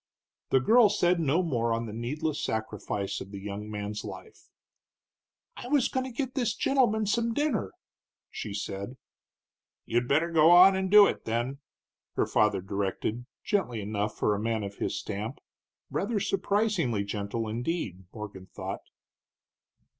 The girl said no more on the needless sacrifice of the young man's life. "I was goin' to get this gentleman some dinner," she said. "You'd better go on and do it, then," her father directed, gently enough for a man of his stamp, rather surprisingly gentle, indeed, Morgan thought.